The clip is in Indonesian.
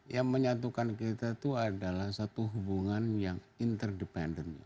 yang menyatukan kita itu adalah satu hubungan yang independen